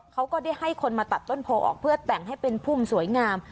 เขาก็ได้ให้คนมาตัดต้นโพออกเพื่อแต่งให้เป็นพุ่มสวยงาม